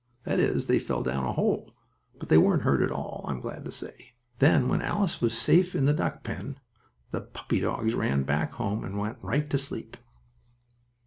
That is, they fell down a hole, but they weren't hurt at all, I'm glad to say. Then, when Alice was safe in the duckpen, the puppy dogs ran back home and went right to sleep.